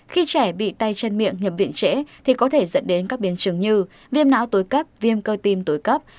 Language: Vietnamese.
khi trẻ bị tay chân miệng nhập viện trễ thì có thể dẫn đến các biến chứng như viêm não tối cấp viêm cơ tim tối cấp